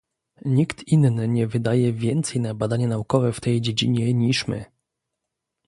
Nikt inny nie wydaje więcej na badania naukowe w tej dziedzinie niż my